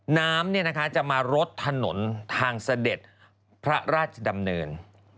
น้ำจะมารดถนนทางเสด็จพระราชดำเนิน